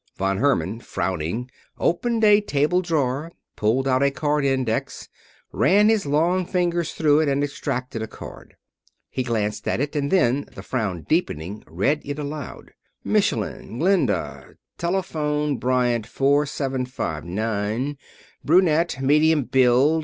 Von Herman, frowning, opened a table drawer, pulled out a card index, ran his long fingers through it and extracted a card. He glanced at it, and then, the frown deepening, read it aloud. "'Michelin, Gelda. Telephone Bryant 4759. Brunette. Medium build.